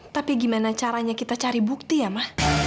tapi gimana caranya kita cari bukti ya mah